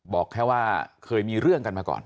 บอกแค่ว่าเคยมีเรื่องกันมาก่อน